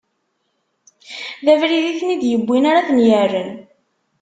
D abrid i ten-id-iwwin ara ten-irren.